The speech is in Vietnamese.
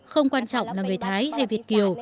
không quan trọng là người thái hay việt kiều